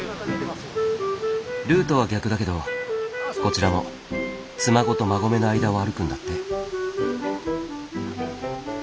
ルートは逆だけどこちらも妻籠と馬籠の間を歩くんだって。